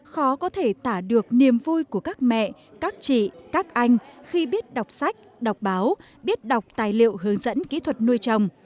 khó có thể tả được niềm vui của các mẹ các chị các anh khi biết đọc sách đọc báo biết đọc tài liệu hướng dẫn kỹ thuật nuôi trồng